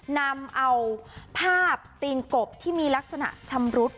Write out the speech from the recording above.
นำเอาภาพตีนกบที่มีลักษณะชำรุด